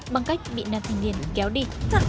bằng cách bị nam thanh niên kéo đi